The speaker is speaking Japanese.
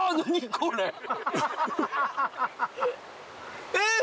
これえっ？